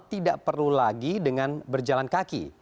tidak perlu lagi dengan berjalan kaki